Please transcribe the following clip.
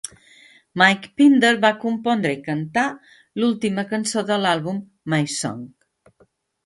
Mike Pinder va compondre i cantar l'última cançó de l'àlbum 'My Song'.